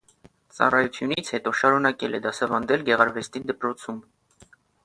Ծառայությունից հետո շարունակել է դասավանդել գեղարվեստի դպրոցում։